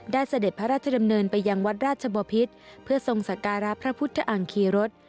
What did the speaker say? เสด็จพระราชดำเนินไปยังวัดราชบพิษเพื่อทรงสการะพระพุทธอังคีรส